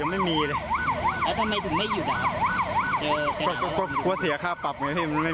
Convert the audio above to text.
ตอนนี้เตะยาลังเอาได้อะไรมั้ย